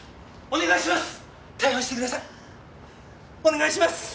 お願いします！